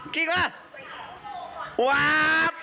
เกียรติว่า